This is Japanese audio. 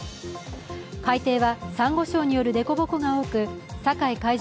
海底はさんご礁によるでこぼこが多く酒井海上